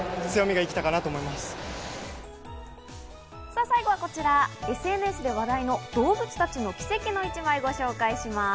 さぁ最後はこちら、ＳＮＳで話題の動物たちの奇跡の一枚をご紹介します。